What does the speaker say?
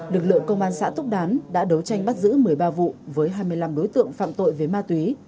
lực lượng công an xã túc đán đã đấu tranh bắt giữ một mươi ba vụ với hai mươi năm đối tượng phạm tội về ma túy